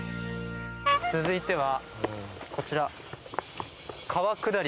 続いてはこちら。